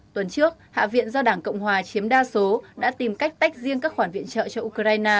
tuần trước hạ viện do đảng cộng hòa chiếm đa số đã tìm cách tách riêng các khoản viện trợ cho ukraine